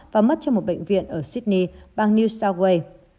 và mất cho một bệnh viện ở sydney bang new south wales